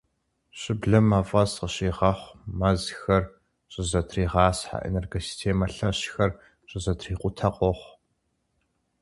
Щыблэм мафӏэс къыщигъэхъу, мэзхэр щызэтригъасхьэ, энергосистемэ лъэщхэр щызэтрикъутэ къохъу.